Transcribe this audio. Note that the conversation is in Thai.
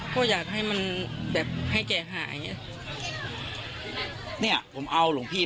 ก็อยากให้มันแบบให้แกหายเนี่ยผมเอาหลวงพี่